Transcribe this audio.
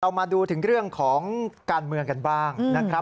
มาดูถึงเรื่องของการเมืองกันบ้างนะครับ